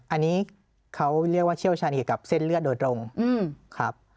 อันนี้เขาเรียกว่าเชี่ยวชาญเกี่ยวกับเส้นเลือดโดยตรงครับ